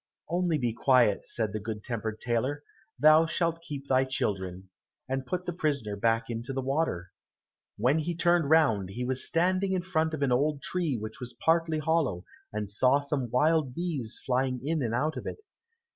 "Only be quiet," said the good tempered tailor, "thou shalt keep thy children," and put the prisoner back into the water. When he turned round, he was standing in front of an old tree which was partly hollow, and saw some wild bees flying in and out of it.